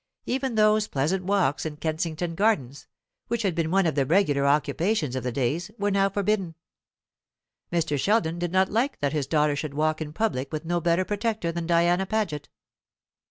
Even those pleasant walks in Kensington Gardens, which had been one of the regular occupations of the day, were now forbidden. Mr. Sheldon did not like that his daughter should walk in public with no better protector than Diana Paget.